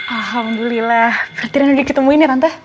alhamdulillah berarti reina udah ketemuin ya tante